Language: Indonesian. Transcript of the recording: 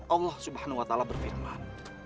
allah swt berfirman